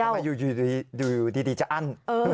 มาอยู่ดีจะอั้น